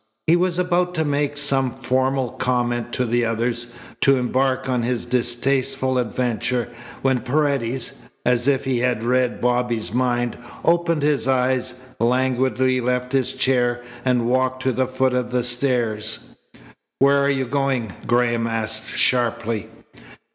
He was about to make some formal comment to the others, to embark on his distasteful adventure, when Paredes, as if he had read Bobby's mind, opened his eyes, languidly left his chair, and walked to the foot of the stairs. "Where you going?" Graham asked sharply.